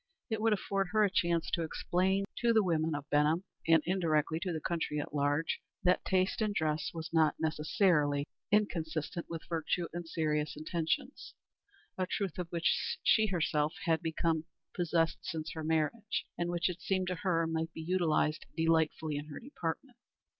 It would afford her a chance to explain to the women of Benham, and indirectly to the country at large, that taste in dress was not necessarily inconsistent with virtue and serious intentions a truth of which she herself had become possessed since her marriage and which it seemed to her might be utilized delightfully in her department.